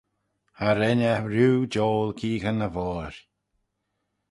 Cha ren eh rieau jiole keeaghyn e voir.